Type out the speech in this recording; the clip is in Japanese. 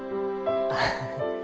アハハ。